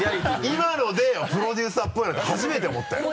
今のでプロデューサーっぽいなて初めて思ったよ。